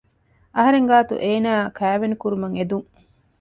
އަހަރެންގާތު އޭނާއާ ކައިވެނި ކުރުމަށް އެދުން